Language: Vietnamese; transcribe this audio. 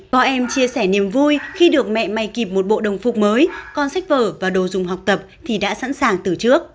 bọn em chia sẻ niềm vui khi được mẹ may kịp một bộ đồng phục mới con sách vở và đồ dùng học tập thì đã sẵn sàng từ trước